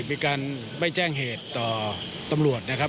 มีการไม่แจ้งเหตุต่อตำรวจนะครับ